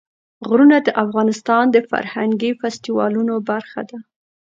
غرونه د افغانستان د فرهنګي فستیوالونو برخه ده.